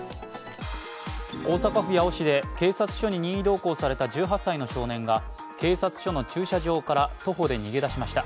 大阪府八尾市で警察署に任意同行された１８歳の少年が警察署の駐車場から徒歩で逃げ出しました。